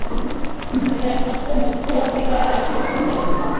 এরা একত্রে মধ্য আফ্রিকান রাষ্ট্রসমূহের অর্থনৈতিক সম্প্রদায় গঠন করেছে।